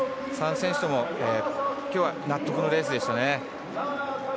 ３選手ともきょうは納得のレースでしたね。